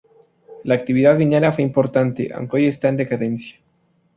La actividad minera fue importante, aunque hoy está en decadencia.